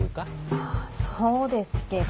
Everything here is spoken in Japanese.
まぁそうですけど。